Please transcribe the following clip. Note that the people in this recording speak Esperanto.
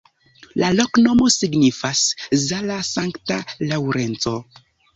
La loknomo signifas: Zala-Sankta Laŭrenco.